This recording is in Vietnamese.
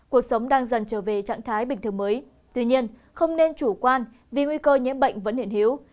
cuộc sống đang dần trở về trạng thái bình thường mới tuy nhiên không nên chủ quan vì nguy cơ nhiễm bệnh vẫn hiện hiếu